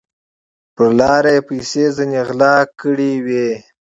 پر لار یې پیسې ځیني غلا کړي وې